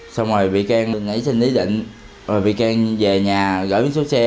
xong rồi vị can nghĩ xin ý định vị can về nhà gửi miếng số xe